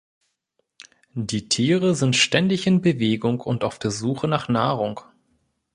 Die Tiere sind ständig in Bewegung und auf der Suche nach Nahrung.